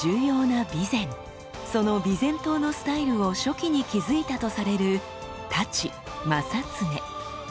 その備前刀のスタイルを初期に築いたとされる太刀正恒。